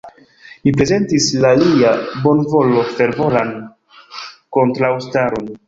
Mi prezentis al lia bonvolo fervoran kontraŭstaron.